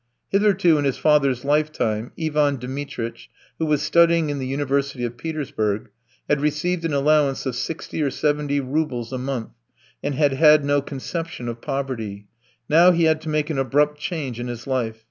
Hitherto in his father's lifetime, Ivan Dmitritch, who was studying in the University of Petersburg, had received an allowance of sixty or seventy roubles a month, and had had no conception of poverty; now he had to make an abrupt change in his life.